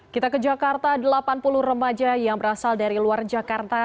kita ke jakarta delapan puluh remaja yang berasal dari luar jakarta